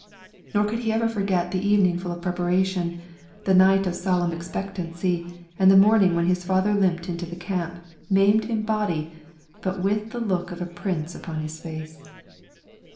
Nor could he ever forget the evening full of preparation, the night of solemn expectancy, and the morning when his father limped into the camp, maimed in body, but with the look of a prince upon his face.